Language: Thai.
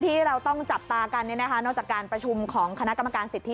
ที่เราต้องจับตากันเนี่ยนะคะนอกจากการประชุมของคณะกรรมการสิทธิ